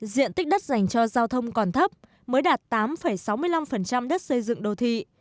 diện tích đất dành cho giao thông còn thấp mới đạt tám sáu mươi năm đất xây dựng đô thị